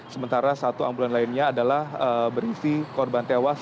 sementara satu ambulan lainnya adalah berisi korban tewas